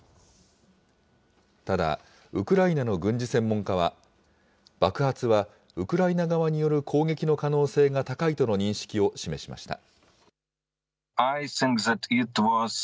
ただ、ウクライナの軍事専門家は、爆発はウクライナ側による攻撃の可能性が高いとの認識を示しました。